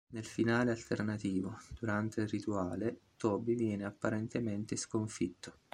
Nel finale alternativo, durante il rituale Toby viene apparentemente sconfitto.